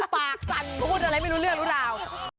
ปากสั่นพูดอะไรไม่รู้เรื่องรู้ราว